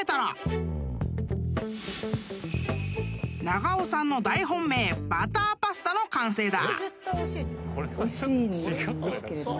［長尾さんの大本命バターパスタの完成だ］